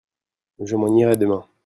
Je m'en irai demain.